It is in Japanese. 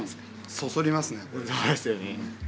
そそりますね。